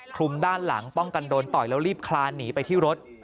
คลุมด้านหลังป้องกันโดนต่อยแล้วรีบคลานหนีไปที่รถ